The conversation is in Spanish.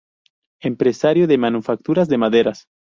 Empresario de manufacturas de maderas.